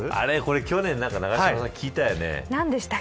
去年、永島さん、聞いたよね。